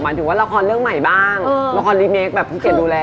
ถึงว่าละครเรื่องใหม่บ้างละครรีเมคแบบพี่เกียจดูแล